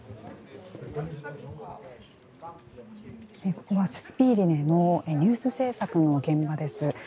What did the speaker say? ここはススピーリネのニュース制作の現場です。